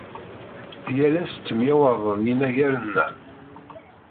Yal ass ttemyawaḍen yinaragen-a.